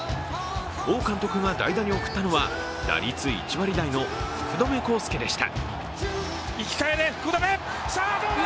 王監督が代打に送ったのは打率１割台の福留孝介でした。